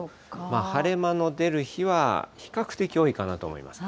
晴れ間の出る日は比較的多いかなと思います。